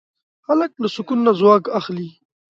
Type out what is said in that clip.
هلک له سکون نه ځواک اخلي.